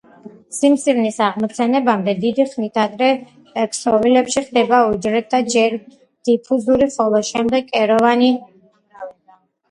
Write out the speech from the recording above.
სიმსივნის აღმოცენებამდე დიდი ხნით ადრე ქსოვილებში ხდება უჯრედთა ჯერ დიფუზური, ხოლო შემდეგ კეროვანი გამრავლება.